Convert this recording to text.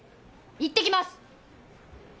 いってきます！